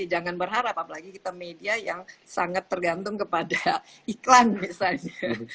jangan berharap apalagi kita media yang sangat tergantung kepada iklan misalnya